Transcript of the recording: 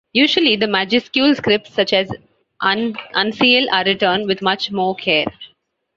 Usually, the majuscule scripts such as uncial are written with much more care.